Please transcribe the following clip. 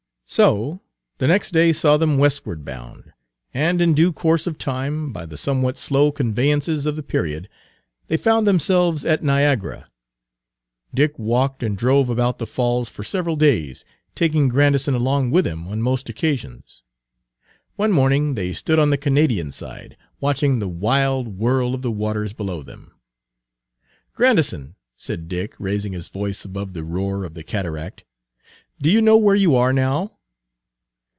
So the next day saw them westward bound, and in due course of time, by the somewhat slow conveyances of the period, they found themselves at Niagara. Dick walked and drove about the Falls for several days, taking Grandison along with him on most occasions. One morning they stood on the Canadian side, watching the wild whirl of the waters below them. "Grandison," said Dick, raising his voice above the roar of the cataract, "do you know where you are now?"